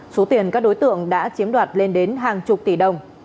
số tiền các đối tượng đã chiếm đoạt lên đến hàng chục tỷ đồng